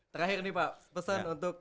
terakhir nih pak pesan untuk